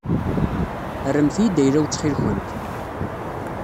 Rremt-iyi-d ayla-w ttxil-kent.